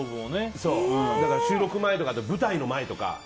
だから収録前とか舞台の前とか。